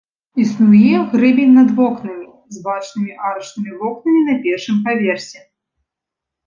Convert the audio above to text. Існуе грэбень над вокнамі, з бачнымі арачнымі вокнамі на першым паверсе.